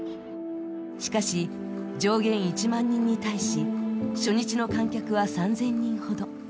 しかし、上限１万人に対し初日の観客は３０００人ほど。